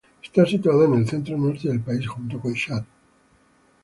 Está situada en el centro-norte del país, junto con Chad.